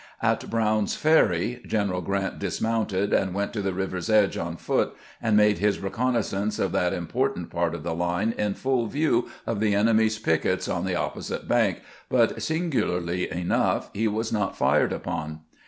At Brown's Ferry Greneral Grrant dismounted and went to the river's edge on foot, and made his re connaissance of that important part of the line in full view of the enemy's pickets on the opposite bank, but, singularly enough, he was not fired upon.